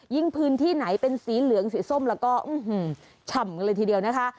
พื้นที่ไหนเป็นสีเหลืองสีส้มแล้วก็ฉ่ำกันเลยทีเดียวนะคะ